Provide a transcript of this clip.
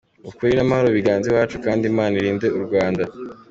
Ukuri n’amahoro biganze iwacu kandi Imana irinde u Rwanda.